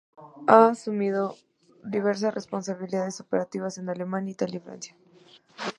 Él ha asumido diversas responsabilidades operativas en Alemania, Italia y Francia.